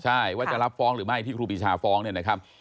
ใช่ว่าจะรับฟ้องหรือไม่ที่ครูปีชาฟ้องเนี่ยนะครับ